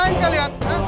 salah salah salah